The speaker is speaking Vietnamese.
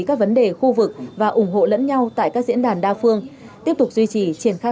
các vấn đề khu vực và ủng hộ lẫn nhau tại các diễn đàn đa phương tiếp tục duy trì triển khai